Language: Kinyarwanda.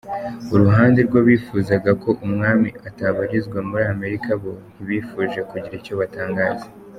Uruhande rw’abifuzaga ko umwami atabarizwa muri Amerika bo ntibifuje kugira icyo batangaza.